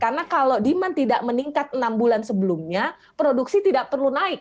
karena kalau demand tidak meningkat enam bulan sebelumnya produksi tidak perlu naik